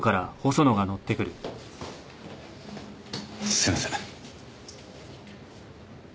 すいません。